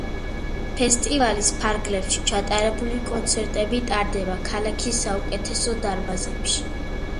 ფესტივალის ფარგლებში ჩატარებული კონცერტები ტარდება ქალაქის საუკეთესო დარბაზებში.